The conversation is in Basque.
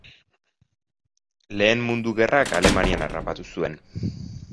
Lehen Mundu Gerrak Alemanian harrapatu zuen.